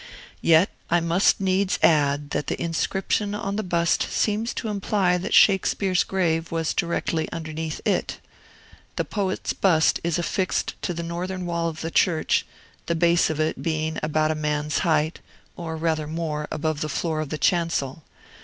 Yet I must needs add that the inscription on the bust seems to imply that Shakespeare's grave was directly underneath it. The poet's bust is affixed to the northern wall of the church, the base of it being about a man's height, or rather more, above the floor of the chancel.